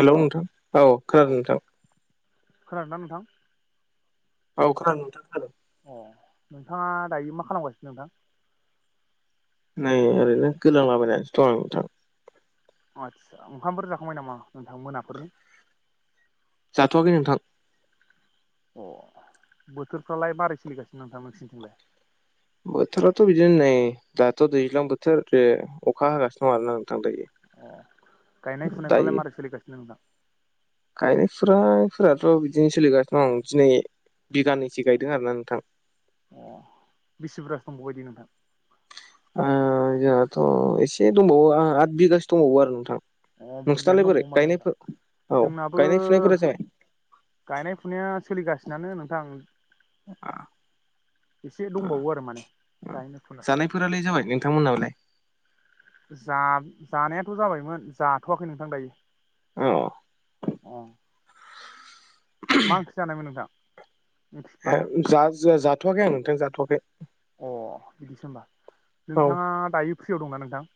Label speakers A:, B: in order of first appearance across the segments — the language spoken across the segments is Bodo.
A: हेलौ नोंथां औ खोनादों नोंथां।
B: खोनादोना नोंथां?
A: औ खोनादों नोंथां खोनादों।
B: अ नोंथाङा दायो मा खालामगासिनो नोंथां?
A: नै ओरैनो गोलांला बायनासो दं आं नोंथां।
B: आचसा ओंखामफोर जाखांबाय नामा नोंथां मोनाफोरनि?
A: जाथ'आखै नोंथां।
B: अ बोथोरफ्रालाय मारै सोलिगासिनो नोंथां नोंसोरनिथिंलाय?
A: बोथोराथ' बिदिनो नै दाथ' दैज्लां बोथोर अखा हागासिनो दं आरोना। नोंथां दायो
B: अ गायनाय फुनायफ्रालाय
A: दायो
B: मारै सोलिगासिनो नोंथां?
A: गायनाय फुनाय फोराथ' बिदिनो सोलिगासिनो दं दिनै बिघानैसो गायदों आरोना नोंथां।
B: अ [unintelligible] नोंथां
A: ओ जोंहाथ' एसे दंबावो आद बिगासो दंबावो आरो नोंथां।
B: अ बुरजायानो
A: नोंसोरनालाय बोरै
B: दंबावो माथो नोंथां
A: गायनायफोर औ
B: जोंनाबो
A: गायनाय फुनायफोरा जाबाय
B: गायनाय फुनाया सोलिगासिनोआनो नोंथां। एसे दंबावो आरो माने गायनो फुनो
A: नोंथां मोन्नावलाय
B: जानायाथ' जाबायमोन जाथ'वाखै नोंथां दायो।
A: अ
B: अ मा ओंख्रै जानायमोन नोंथां? ओंख्रिफ्रा
A: जा जाथ'वाखै आं नोंथां जाथ'वाखै।
B: अ बिदिसो होमबा
A: औ
B: नोंथाङा दायो फ्रियाव दंना नोंथां?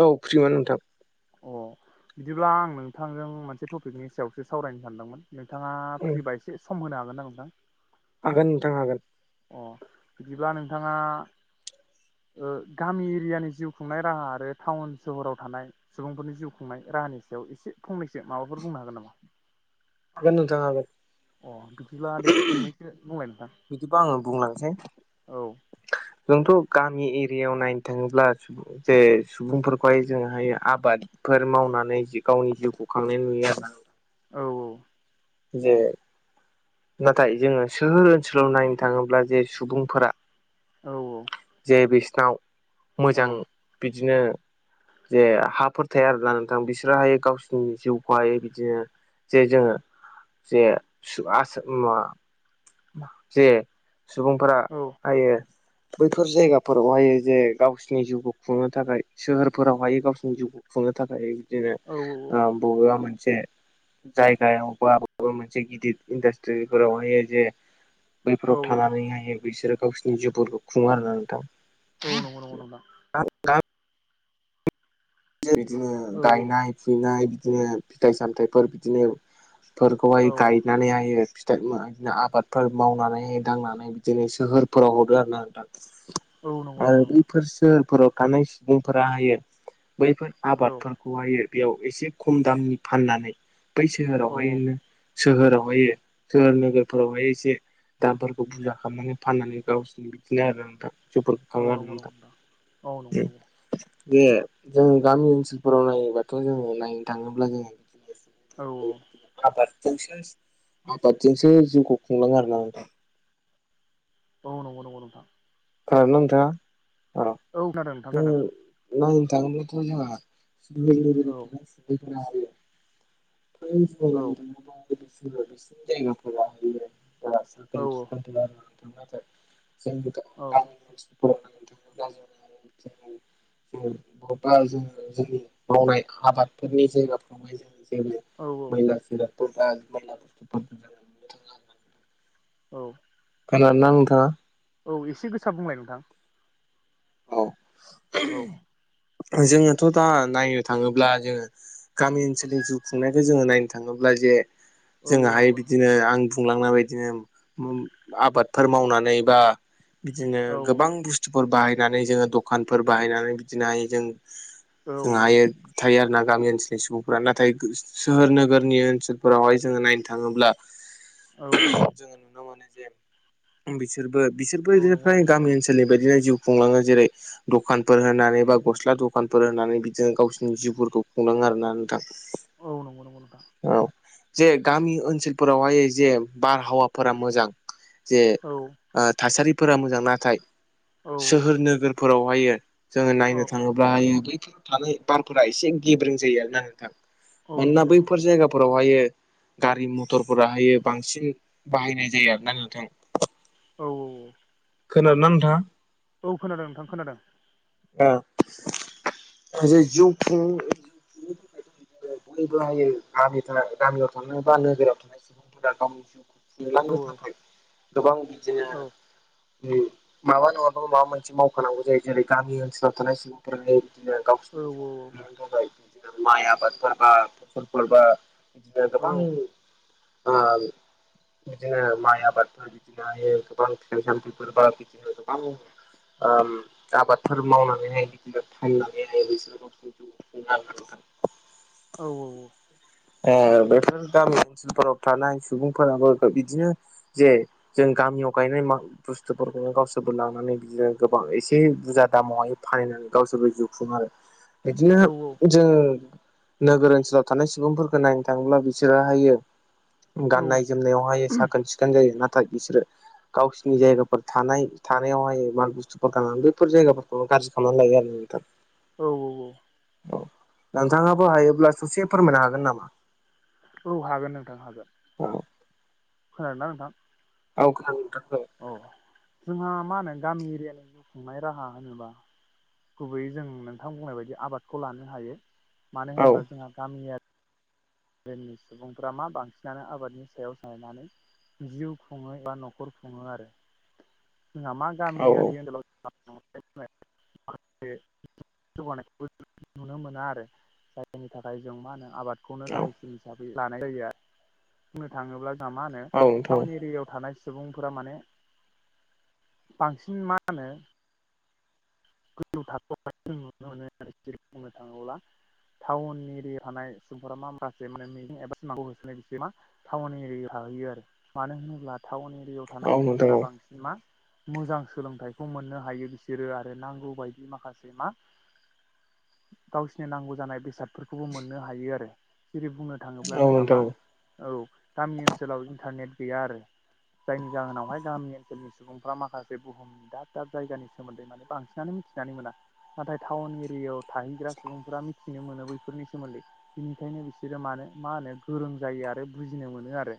A: औ फ्रिमोन नोंथां।
B: अ बिदिब्ला आं नोंथांजों मोनसे टपिकनि सायावसो सावरायनो सानदोंमोन। नोंथाङा
A: उम
B: फ्रिबा एसे सम होनो हागोन ना नोंथां?
A: हागोन नोंथां हागोन।
B: अ बिदिब्ला नोंथाङा गामि एरियानि जिउ खुंनाय राहा आरो टाउन सहराव थानाय सुबुंफोरनि जिउ खुंनाय राहानि सायाव एसे फंनैसो माबाफोर बुंनो हागोन नामा?
A: हागोन नोंथां हागोन।
B: अ बिदिब्ला दे फंनैसो बुंंलाय नोंथां।
A: बिदिबा आङो बुंलांसै
B: औ
A: जोंथ' गामि एरियायाव नायनो थाङोब्ला जे सुबुंफोरखौहाय जोंङोहाय आबाद फोर मावनानै जि गावनि जिउखौ खांनाय नुयो आरोना
B: औ
A: जे नाथाय जोंङो सोहोर ओनसोलाव नायनो थाङोब्ला जे सुबुंफोरा जे
B: औ
A: बिसिनाव
B: औ
A: मोजां बिदिनो जे हाफोर थाया आरोना नोंथां बिसोरहायो गावसिरनि जिउखौहाय बिदिनो जे जोंङो जे [unintelligible] जे सुबुंफोरा हायो। बैफोर जायगाफोरावहायो जे गावसिनि जिउखौ खुंनो थाखाय सोहोरफोरावहाय गावसिरनि जिउखौ खुंङो। थाखाय बिदिनो
B: औ
A: ओ बबेबा मोन मोनसे जायगायाव बा माबा मोनसे गिदिर इन्डास्ट्रिफोरावहायो जे
B: औ
A: बैफोराव थानानैहायो बिसोरो गावसोरनि जिवफोरखौ खुंङो आरो ना नोंथां।
B: औ नंगौ नंगौ नोंथां।
A: गामियाव बिदिनो
B: औ
A: गायनाय फुनाय बिदिनो फिथाइ सामथायफोर बिदिनो फोरखौहाय
B: औ
A: गायनानै हायो। बिदिनो आबादफोर मावनानै दांनानै बिदिनो सोहोरफोराव हरो आरो ना नोंथां
B: औ नंगौ
A: आरो
B: नंगौ नोंथां
A: बैफोर सोहोरफोराव थानाय सुबुंफोरा हायो बैफोर
B: औ
A: आबादफोरखौहायो बेयाव एसे खम दामनि फाननानै बै
B: औ
A: सोहोरावहाय
B: औ
A: सोहोरावहायो सोहोर नोगोरफोरावहाय एसे दामफोरखौ बुरजा खालामनानै फाननानै गावसोरनि बिदिनो आरोना नोंथां जिउ फोर
B: औ
A: खांङो आरोना
B: नंगौ नंगौ औ नंगौ
A: नोंथां
B: नंगौ
A: जे जों गामि ओनसोलफोराव नायोबाथ' जोङो नायनो थाङोब्ला जोङो
B: औ
A: [unintelligible] आबाद जोंसो आबादजोंसो जिउखौ खुंलाङो आरोना नोंथां।
B: औ नंगौ नंगौ नोंथां।
A: खोनादोंना नोंथांङा?
B: औ खोनादों नोंथां खोनादों।
A: [unintelligible] फोर
B: औ औ औ
A: [unintelligible] [unintelligible]
B: [inaudible] [unintelligible]
A: [unintelligible] [unintelligible] जोङो जोंनि मावनाय आबादफोरनि जायगाफ्रावहाय जों
B: औ
A: [unintelligible]
B: औ।
A: खोनादोंना नोंथांङा?
B: औ एसे गोसा बुंलाय नोंथां।
A: औ
B: औ
A: जोङोथ' दा नायनो थाङोब्ला जोङो गामि ओनसोलनि जिउ खुंनायखौ जोङो नायनो थाङोब्ला जे
B: औ औ
A: जोंङोहाय
B: नंगौ नंगौ
A: बिदिनो
B: नोंथां
A: आं बुंलांनाय बाय दिनो ओम आबादफोर मावनानै बा बिदिनो
B: औ
A: गोबां बुस्तुफोर बाहाय नानै जोङो दखानफोर बाहायनानै बिदिनो हायो जों
B: औ
A: जों हायो थायो आरो ना गामि ओनसोलनि सुबुंफोरा। नाथाय गो सोहोर नोगोरनि ओनसोलफोरावहाय जोङो नायनो थाङोब्ला
B: औ
A: जोङो नुनो मोनो जे बिसोरबो बिसोरबो
B: औ
A: बिदिनो
B: नंगौ नंगौ
A: फ्राय
B: नोंथां
A: गामि ओनसोलनि बायदिनो जिउ खुंलाङो जेरै दखानफोर होनानै बा गस्ला दखानफोर होनानै बिदिनो गावसोरनि जिउफोरखौ खुंलाङो आरोना नोंथां।
B: औ नंगौ नंगौ नोंथां
A: औ जे गामि ओनसोलफोरावहाय जे बारहावाफोरा मोजां जे
B: औ
A: ओ थासारिफोरा मोजां नाथाय
B: औ
A: सोहोर नोगोरफोरावहायो जोङो
B: औ
A: नायनो थाङोब्ला हायो बैफोर थानाय बारफोरा एसे गेब्रें जायो आरोना नोंथां।
B: औ
A: मानोना
B: नंगौ नंगौ
A: बैफोर
B: नोंथां
A: जायगाफोरावहायो गारि मथरफोराहायो बांसिन बाहायनाय जायो आरोना नोंथां।
B: औ औ औ।
A: खोनादोंना नोंथाङा?
B: औ खोनादों नोंथां खोनादों।
A: ओ [unintelligible] बयबो हायो गामि गामियाव थानाय बा नोगोराव थानाय सुबुंफोरा गावनि जिउखौ
B: औ
A: खुंलांनो थाखाय गोबां बिदिनो
B: औ
A: जेरै माबा नङा बाबो माबा मोनसे मावखानांगौ जायो। जेरै गामि ओनसोलाव थानाय सुबुंफोरानो बिदिनो
B: औ
A: गावसोरनि
B: औ
A: जिउखौ खुंनो थाखाय बिदिनो माइ आबादफोर बा फसलफोर बा बिदिनो
B: औ
A: गोबां ओ बिदिनो माइ आबादफोर बिदिनोहायो गोबां फिथाइ सामथाइफोर बा बिदिनो गोबां ओम आबादफोर मावनानैहाय बिदिनो फाननानैहाय बिसोर गाव जिउखौ खुङो आरो नोंथां।
B: औ औ औ।
A: ओ बेफोर गामि ओनसोलफोराव थानाय सुबुंफोराबो बिदिनो जे जों गामियाव गायनाय मा बुस्थुफोरखौनो गावसोरबो लानानै बिदिनो गोबां ए से बुरजा दामावहाय फानहैनानै गावसोरबो जिउ खुङो आरो बिदिनो जों नोगोर ओनसोलाव थानाय सुबुंफोरखौ नायनो थाङोब्ला बिसोरोहायो गाननाय जोमनायावहाय साखोन सिखोन जायो। ना थाय बिसोरो गावसोरनि जायगाफोर थानाय थानायावहाय माल बुस्थुफोर [unintelligible] बेफोर जायगाफोरखौ गाज्रि खालामनानै लायो आरो नोंथां
B: औ औ औ
A: औ नोंथाङाबो हायोब्ला ससे फोरमायनो हागोन नामा?
B: औ हागोन नोंथां हागोन
A: औ
B: खोनादों ना नोंथां?
A: औ खोनादों नोंथां
B: औ जोंहा मा होनो गामि एरियानि जिउ खुंनाय राहा होनोबा गुबैयै जों नोंथां बुंनाय बायदि आबादखौ लानो हायो मानो
A: औ औ
B: होनोब्ला जोंहा गामियारि नि सुबुंफ्रा मा बांसिनानो आबादनि सायाव सोनारनानै जिउ खुङो एबा न'खर खुङो आरो जोंहा मा
A: औ
B: गामियारि ओनसोलाव [unintelligible] जौगानायखौ नुनो मोना आरो जायनि थाखाय जों मा होनो आबाद खौनो
A: औ
B: गाहायसिन हिसाबै लानाय जायो बुंनो थाङोब्ला मा होनो
A: औ नोंथां
B: टाउन एरियायाव थानाय सुबुंफोरा माने बांसिन मा होनो गोजौ थाखोआव जों नुनो मोनो आरो जे बुंनो थाङोब्ला टाउननि एरिायाव थानाय सुबुंफोरा मा माखासे मिजिं एबा सिमांखौ होसोनाय बिस [unintelligible] मा टाउन एरियाव आरो मानो होनोब्ला टाउन [unintelligible] थानाय
A: औ नोंथां
B: सुबुंफोरा बांसिना मा मोजां सोलोंथाइखौ मोननो हायो बिसोरो आरो नांगौ बायदि माखासे मा गावसिनि नांगौ जानाय बेसादफोरखौबो मोननो हायो आरो जेरै बुंनो थाङोब्ला
A: औ
B: जोंहा मा
A: नोंथां औ
B: औ गामि ओनसोलाव इन्टारनेट गैया आरो जायनि जाहोनावहाय गामि ओनसोलनि सुबुंफ्रा माखासे बुहुमनि दाब दाब जायगानि सोमोन्दै माने बांसिनानो मिथिनानै मोना नाथाय टाउन एरियायाव थाहैग्रा सुबुंफोरा मिथियो मिथिनो मोनो बैफोरनि सोमोन्दै बिनिखायनो बिसोरो मानो मा होनो गोरों जायो आरो बुजिनो मोनो आरो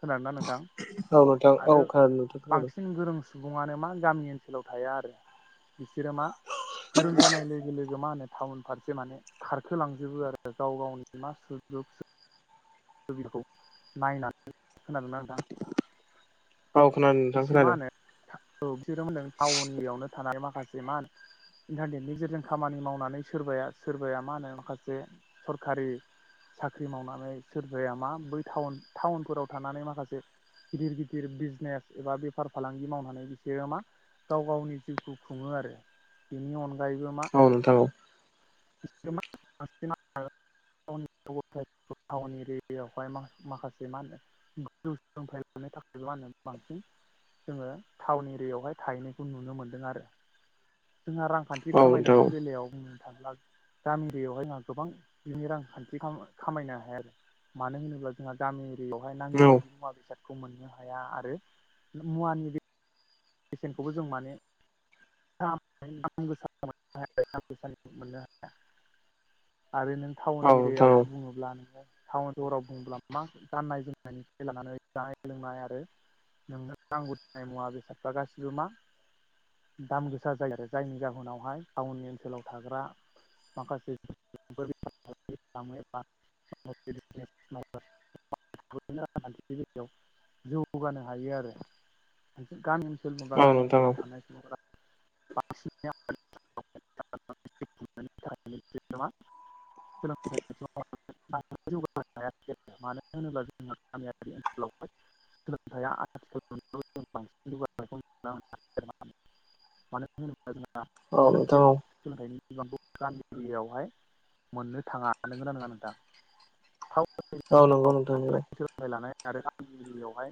B: खोनादोंना नोंथां
A: औ नोंथां औ
B: आरो
A: खोनादों नोंथां खोनादों।
B: बांसिन गोरों सुबुङानो मा गामि ओनसोलाव थाया आरो बिसोरो मा फोरोंजानाय लोगो लोगो मा ओनो टाउन फारसे माने खारखोलांजोबो आरो गाव गावनि मा सुजुग खौ बिखौ नायनानै खोनादों ना नोंथां? [inaudible] बिसोर मा ओनो औ बिसोरो होनदों टाउननियावनो थानानै मा [unintelligible] इन्टारनेटनि जेरजों खामानि मावनानै सोरबाया सोरबाया मा होनो माखासे सरखारि साख्रि मावनानै सोरबाया मा बै थाउन थाउनफोराव थानानै माखासे गिदिर गिदिर बिजनेस एबा बेफार फालांगि मावनानै बिसोरो मा गाव गावनि जिउखौ खुङो आरो बेनि अन
A: औ नोंथां औ
B: [unintelligible] टाउन एरियायावहाय [unintelligible] जोङो टाउन एरियावहाय थाहैनायखौ नुनो मोनदों आरो जोंहा रांखान्थि
A: खोनादों औ नोंथां
B: खामायनायनि बेलायाव बुंनो थांबा गामि दैयावहाय जोंहा गोबां बिनि रांखान्थि खाम खामायनो हाया मानो होनोब्ला जोंहा गामि दैयावहाय
A: औ
B: नांगौ बायदि
A: औ
B: मुवा बेसादखौ मोननो हाया आरो मुवानि बेद बेेसेन्खौबो जों माने [unintelligible] आरो नों
A: नोंथां औ
B: टाउन
A: नोंथां
B: एरियायाव बुङोब्ला नोङो टाउन सहराव बुङोब्ला मा गाननाय जोमनायनिफ्राय लानानै जानाय लोंनाय आरो नोंनो नांगौ जानाय मुवा बेसादफ्रा गासिबो मा दामगोसा जायो आरो जायनि जाहोनावहाय टाउननि ओनसोलाव थाग्रा माखासे [unintelligible] [unintelligible] [unintelligible] जौगानो हायो आरो गामि। सोरखौबा
A: औ
B: गामि
A: नोंथां
B: ओनसोलाव थानाय सुबुंफोरा। [inaudible] सोलोंथायनि। [unintelligible] [unintelligible] सोलोंथाया आथिखाल बांसिन
A: औ नोंथां औ
B: [unintelligible] गामि एरियायावहाय मोननो थाङा नोंगोना नोंङा नोंथां। टाउन
A: औ
B: एरियायाव
A: नंगौ नोंथा
B: थानानै
A: नंगौ।
B: सोलोंथाइ लानाय आरो गामि एरियायावहाय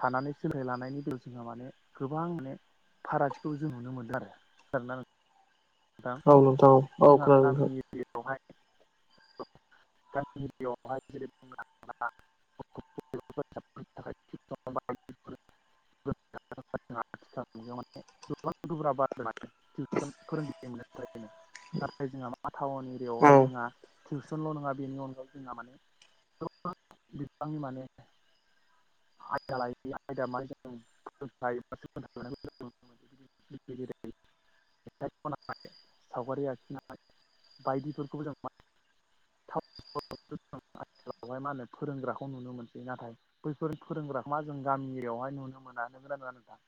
B: थानानै सोलाय लानायनि बेलायाव जोंहा माने। गोबां खाय फारागथिखौ जों नुनो मोनदों आरो जादों ना।
A: औ नोंथां औ औखोनादों नोंथां
B: बेहाय गामि एरिायावहाय जेरै [unintelligible] [unintelligible] [unintelligible] नाथाय जोंहा माबा टाउन एरियायावहाय
A: औ
B: जोंहा टिउसनल' नङा बेनि अनगायै जोंहा माने। बिनि मान। आल [inaudible] सावगारि आखिनाय बायदिफोरखौबो जों। [inaudible] सेवहाय मा होनो फोरोंग्राखौ नुनो मोनसै नाथाय बैफोर फोरोंग्राखौ मा जों गामियावहाय नुनो मोना। [unintelligible]